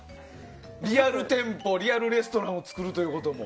リアル店舗、リアルレストランを作るということも。